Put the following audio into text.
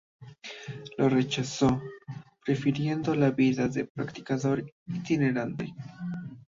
Lo rechazó, prefiriendo la vida de predicador itinerante.